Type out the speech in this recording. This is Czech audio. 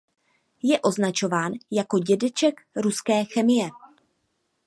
Je označován jako ""dědeček ruské chemie"".